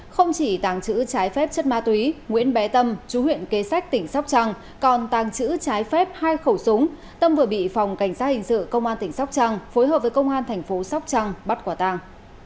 không chỉ tàng trữ trái phép chất ma túy nguyễn bé tâm chú huyện kế sách tỉnh sóc trăng còn tàng trữ trái phép hai khẩu súng tâm vừa bị phòng cảnh sát hình sự công an tỉnh sóc trăng phối hợp với công an thành phố sóc trăng bắt quả tàng